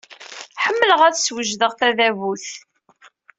Ḥemmleɣ ad d-swejdeɣ tadabut.